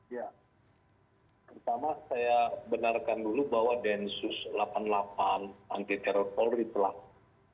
ya pertama saya benarkan dulu bahwa densus delapan puluh delapan anti karopolri telah